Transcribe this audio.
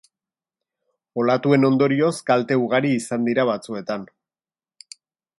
Olatuen ondorioz kalte ugari izan dira batzuetan.